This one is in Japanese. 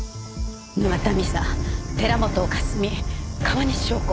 沼田美沙寺本香澄川西祥子。